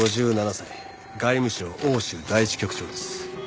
５７歳外務省欧州第一局長です。